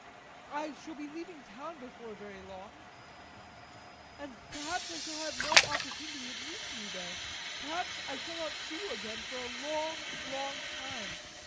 I shall be leaving town before very long, and perhaps I shall have no opportunity of meeting you there. Perhaps I shall not see you again for a long, long time.